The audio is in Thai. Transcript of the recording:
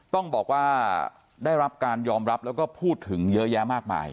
ต้องบอกว่าได้รับการยอมรับแล้วก็พูดถึงเยอะแยะมากมาย